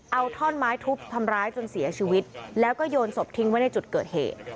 เอาท่อนไม้ทุบทำร้ายจนเสียชีวิตแล้วก็โยนศพทิ้งไว้ในจุดเกิดเหตุ